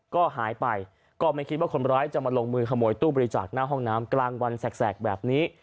ก็หายไปก็ไม่คิดว่าคนร้ายจะมาลงมือขโมยตู้บริจาคหน้าห้องน้ำกลางวันแสกแบบนี้